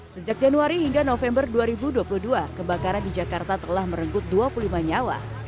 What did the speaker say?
sejak januari hingga november dua ribu dua puluh dua kebakaran di jakarta telah merenggut dua puluh lima nyawa